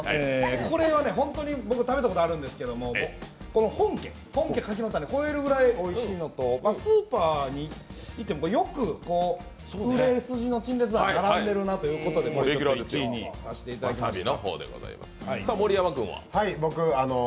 これは僕食べたことあるんですけど、本家柿の種超えるぐらいおいしいのとスーパーに行ってよく売れ筋の陳列棚に並んでいるなということで１位にさせていただきました。